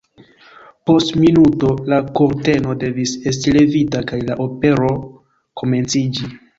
Post minuto la kurteno devis esti levita kaj la opero komenciĝi.